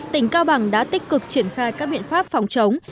tỉnh cao bằng đã tích cực triển khai các biện pháp phòng chống